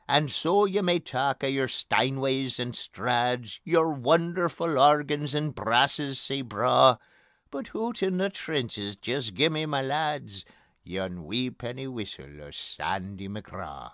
_..... And so you may talk o' your Steinways and Strads, Your wonderful organs and brasses sae braw; But oot in the trenches jist gie me, ma lads, Yon wee penny whistle o' Sandy McGraw.